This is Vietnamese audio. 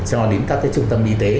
cho đến các trung tâm y tế